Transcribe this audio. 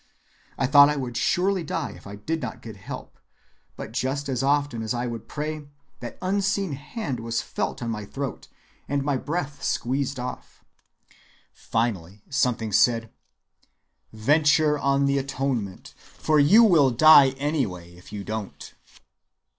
I thought I should surely die if I did not get help, but just as often as I would pray, that unseen hand was felt on my throat and my breath squeezed off. Finally something said: 'Venture on the atonement, for you will die anyway if you don't.